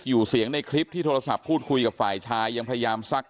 อยู่เสียงในคลิปที่โทรศัพท์พูดคุยกับฝ่ายชายยังพยายามซัก